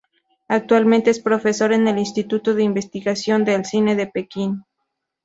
Actualmente es profesor en el Instituto de Investigación del Cine de Pekín.